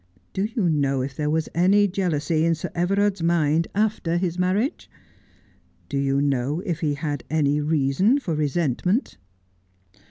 Do you know if there was any jealousy in Sir Everard's mind after his marriage ? Do you know if he had any reason for resentment